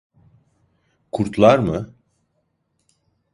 Kurtlar mı?